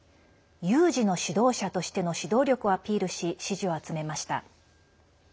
有事の指導者としての指導力をアピールし支持を集めました。